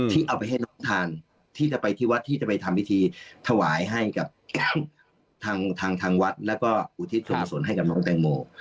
ที่เอาไปให้น้องทานที่จะไปที่วัดที่จะไปทำพิธีถวายให้กับทางวัดแล้วก็อุทิศส่วนกุศลให้กับน้องแตงโม